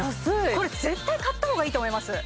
これ絶対買った方がいいと思います